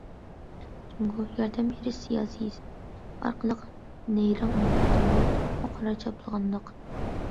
جۇڭگو« ياردەم بېرىش سىياسىيسى» ئارقىلىق نەيرەڭ ئويناۋاتامدۇ؟ بۇ قارا چاپلىغانلىق!